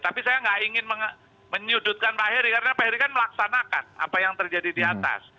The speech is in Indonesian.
tapi saya nggak ingin menyudutkan pak heri karena pak heri kan melaksanakan apa yang terjadi di atas